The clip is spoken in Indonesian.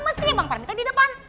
mesti bang parmin kan di depan